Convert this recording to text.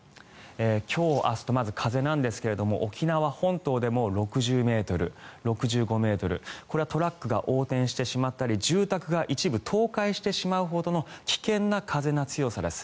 今日明日とまず風なんですが沖縄本島でも６０ｍ、６５ｍこれはトラックが横転してしまったり住宅が一部倒壊してしまうほどの危険な風の強さです。